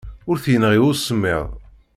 Ur t-yenɣi usemmiḍ.